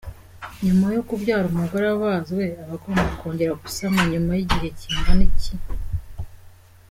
Nyuma yo kubyara umugore abazwe aba agomba kongera gusama nyuma y’igihe kingana iki ?.